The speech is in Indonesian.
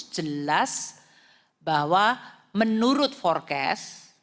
jelas bahwa menurut forecast